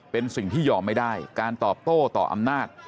เป็นสิ่งที่ยอมไม่ได้การตอบโต้ต่ออำนาจ